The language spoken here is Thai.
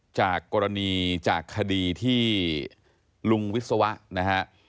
จากกรณีจากคดีที่ลุงวิศวะนะฮะ